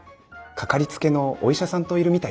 かかりつけのお医者さんといるみたいで。